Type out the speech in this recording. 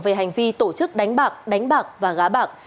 về hành vi tổ chức đánh bạc đánh bạc và gá bạc